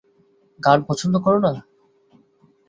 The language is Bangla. গান পছন্দ করে না।